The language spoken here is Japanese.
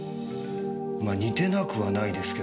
まあ似てなくはないですけど。